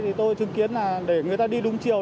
thì tôi chứng kiến là để người ta đi đúng chiều